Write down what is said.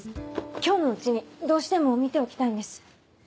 今日のうちにどうしても見ておきたいんです。